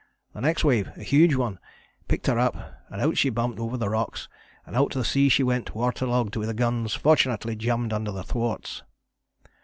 The next wave a huge one picked her up, and out she bumped over the rocks and out to sea she went, water logged, with the guns, fortunately, jammed under the thwarts.